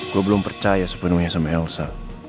gue belum percaya sepenuhnya sama elsa